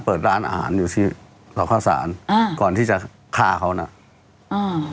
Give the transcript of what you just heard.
เปิดร้านอาหารอยู่ที่เราเข้าสารอ่าก่อนที่จะฆ่าเขาน่ะอ่า